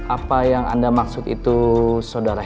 apa yang anda maksud itu saudara